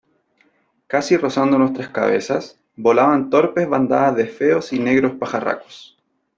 casi rozando nuestras cabezas , volaban torpes bandadas de feos y negros pajarracos .